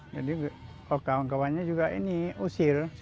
jadi kawan kawannya juga ini usir suka menjadi